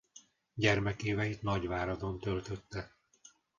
Gyermekéveit Nagyváradon töltötte.